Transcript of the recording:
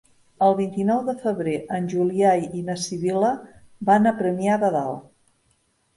El vint-i-nou de febrer en Julià i na Sibil·la van a Premià de Dalt.